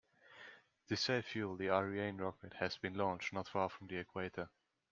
To save fuel, the Ariane rocket has been launched not far from the equator.